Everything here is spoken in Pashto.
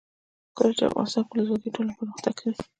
کله چې افغانستان کې ولسواکي وي ټولنه پرمختګ کوي.